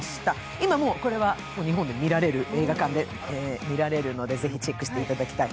今これは日本で見られる、映画館で見られるのでぜひチェックしていただきたい。